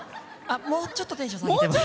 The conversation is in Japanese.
もうちょっとテンション下げてます。